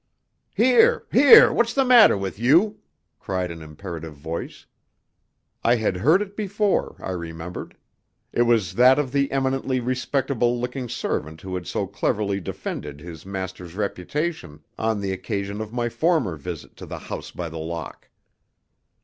"Here! Here! What's the matter with you?" cried an imperative voice. I had heard it before, I remembered. It was that of the eminently respectable looking servant who had so cleverly defended his master's reputation on the occasion of my former visit to the House by the Lock.